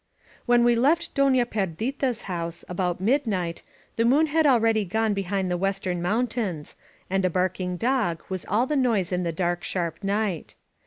When we left Dona Perdita's house, about midnight, the moon had already gone behind the western moun tains, and a barking dog was all the noise in the dark sharp night.